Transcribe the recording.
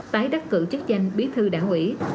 tái đắc cử chức danh bí thư đảng ủy